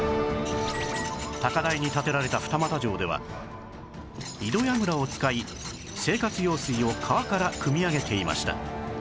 高台に建てられた二俣城では井戸櫓を使い生活用水を川から汲み上げていました